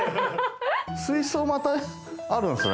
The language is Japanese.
水槽、またあるんですね。